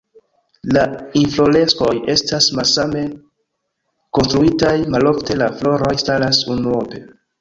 La infloreskoj estas malsame konstruitaj, malofte la floroj staras unuope.